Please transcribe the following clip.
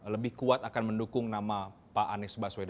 lebih kuat akan mendukung nama pak ayo